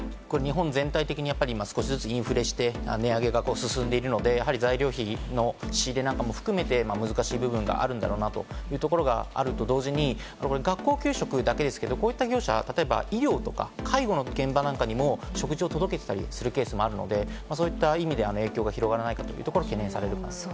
日本全体的に、今少しずつインフレして値上げが進んでいるので、やはり材料費の仕入れなんかも含めて難しい部分があるんだろうなというのがあると同時に学校給食だけですけど、医療や介護の現場なんかにも食事を届けていたりもするので、そういった意味で影響が広がらなければいいなというところが懸念されます。